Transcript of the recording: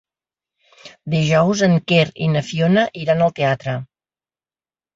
Dijous en Quer i na Fiona iran al teatre.